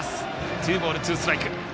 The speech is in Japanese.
ツーボール、ツーストライク。